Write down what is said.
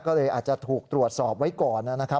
ก็เลยอาจจะถูกตรวจสอบไว้ก่อนนะครับ